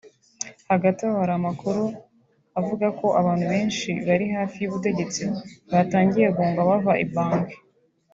Hagati aho hari amakuru avuga ko abantu benshi bari hafi y’ubutegetsi batangiye guhunga bava i Bangui